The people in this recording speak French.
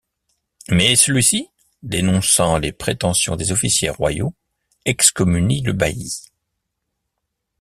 Mais celui-ci, dénonçant les prétentions des officiers royaux, excommunie le bailli.